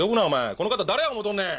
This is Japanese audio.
この方誰や思うとんねん！